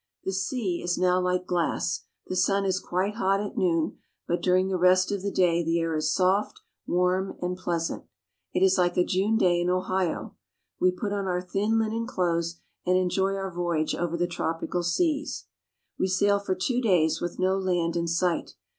The sea is now like glass. The sun is quite hot at noon, but during the rest of the day the air is soft, warm, and pleasant. It is Hke a June day in Ohio. We put on our thin linen clothes and enjoy our voyage over the tropical seas. We sail for two days with no land in sight.